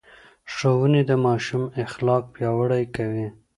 ښوونې د ماشوم اخلاق پياوړي کوي.